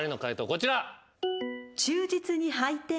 こちら。